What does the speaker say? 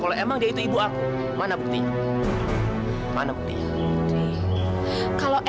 ayah enggak benci sama kamu